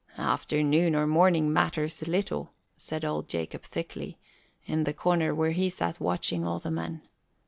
"Afternoon or morning matters little," said old Jacob thickly, in the corner where he sat watching all the men.